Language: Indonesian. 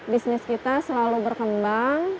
bisnis kita selalu berkembang